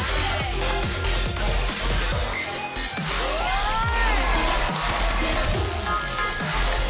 おい！